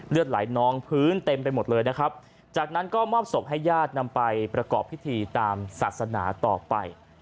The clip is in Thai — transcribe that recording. เลือดไหลนองพื้นเต็มไปหมดเลยนะครับจากนั้นก็มอบศพให้ญาตินำไปประกอบพิธีตามศาสนาต่อไป